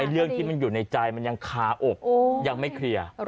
เรื่องที่มันอยู่ในใจมันยังคาอกยังไม่เคลียร์